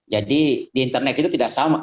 jadi di internet itu tidak sama